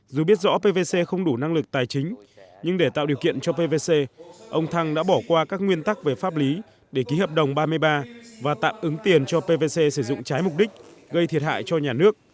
dù biết rõ pvc không đủ năng lực tài chính nhưng để tạo điều kiện cho pvc ông thăng đã bỏ qua các nguyên tắc về pháp lý để ký hợp đồng ba mươi ba và tạm ứng tiền cho pvc sử dụng trái mục đích gây thiệt hại cho nhà nước